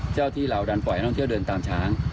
เจ้าที่เรารันปล่อยต้องเที่ยวเดินตามช้าง